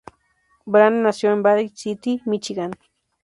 Brandt nació en Bay City, Míchigan.